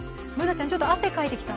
Ｂｏｏｎａちゃん、ちょっと汗かいてきた？